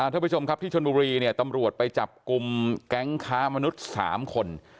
ท่านผู้ชมครับที่ชนบุรีเนี่ยตำรวจไปจับกลุ่มแก๊งค้ามนุษย์๓คน